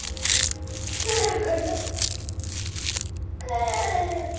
そやから帰られへん。